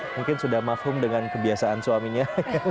mungkin sudah mafrum dengan kebiasaan suaminya